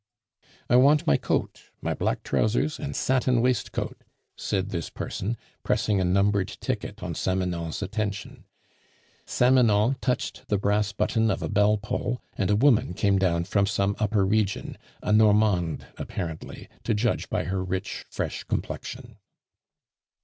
"I want my coat, my black trousers, and satin waistcoat," said this person, pressing a numbered ticket on Samanon's attention. Samanon touched the brass button of a bell pull, and a woman came down from some upper region, a Normande apparently, to judge by her rich, fresh complexion.